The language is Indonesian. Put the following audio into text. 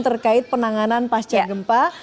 terkait penanganan pasca gempa